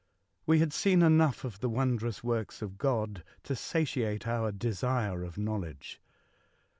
We had seen enough of the wondrous works of God to satiate our desire of knowledge.